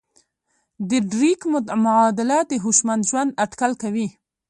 د ډریک معادله د هوشمند ژوند اټکل کوي.